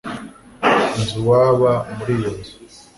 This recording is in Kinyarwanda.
nzi uwaba muri iyo nzu